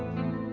udah deh san